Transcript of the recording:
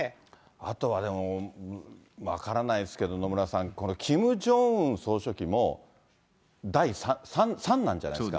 あとはでも、分からないですけど、野村さん、キム・ジョンウン総書記も、三男じゃないですか。